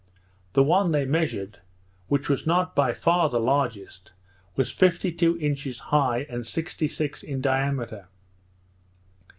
The one they measured, which was not by far the largest, was fifty two inches high, and sixty six in diameter.